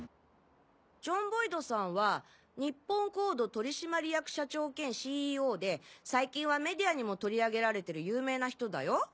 ジョン・ボイドさんは日本コード取締役社長兼ＣＥＯで最近はメディアにも取り上げられてる有名な人だよ。